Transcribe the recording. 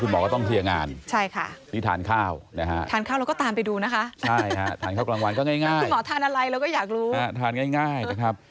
หมอก็ต้องเคลียร์งานใช่ค่ะนี่ทานข้าวนะฮะทานข้าวแล้วก็ตามไปดูนะคะใช่ฮะทานข้าวกลางวันก็ง่ายคุณหมอทานอะไรเราก็อยากรู้ทานง่ายนะครับ